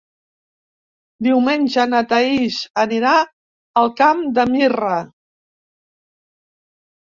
Diumenge na Thaís anirà al Camp de Mirra.